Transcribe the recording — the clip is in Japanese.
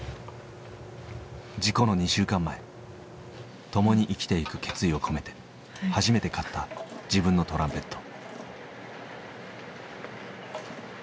事故の２週間前共に生きていく決意を込めて初めて買った自分のトランペット。